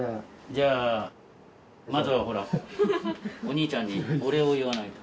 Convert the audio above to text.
じゃあまずはほらお兄ちゃんにお礼を言わないと。